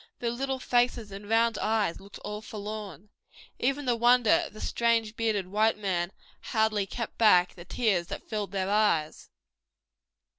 Their little faces and round eyes looked all forlorn. Even the wonder of the strange bearded white man hardly kept back the tears that filled their eyes.